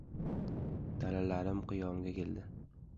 Dalalarim qiyomga keldi.